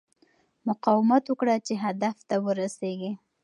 مقاومت وکړه چې هدف ته ورسېږې.